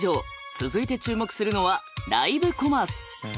続いて注目するのはライブコマース。